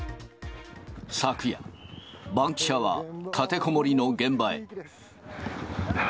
昨夜、バンキシャは立てこもりの現場へ。